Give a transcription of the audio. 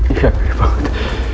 iya mirip banget